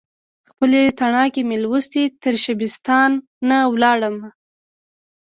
خپلې تڼاکې مې لوستي، ترشبستان ولاړمه